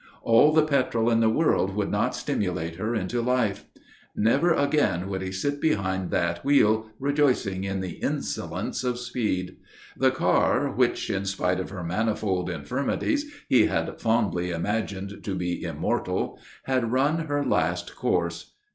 All the petrol in the world would not stimulate her into life. Never again would he sit behind that wheel rejoicing in the insolence of speed. The car, which, in spite of her manifold infirmities, he had fondly imagined to be immortal, had run her last course.